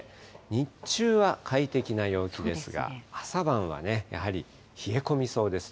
日中は快適な陽気ですが、朝晩はやはり冷え込みそうです。